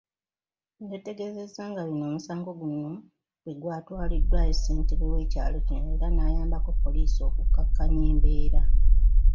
Yategeezezza nga bino omusango guno bwegwatwaliddwayo ssentebe w'ekyalo kino era nayambako poliisi okukakkanya embeera.